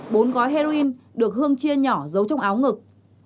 bốn gói heroin được hương chia nhỏ giấu trong áo ngực